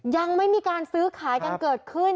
ยังไม่มีการซื้อขายกันเกิดขึ้น